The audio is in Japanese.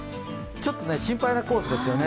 ちょっと心配なコースですよね。